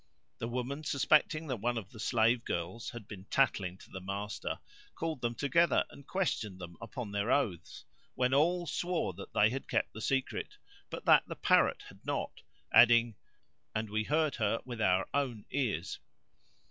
The woman, suspecting that one of the slave girls had been tattling to the master, called them together and questioned them upon their oaths, when all swore that they had kept the secret, but that the Parrot had not, adding, "And we heard her with our own ears."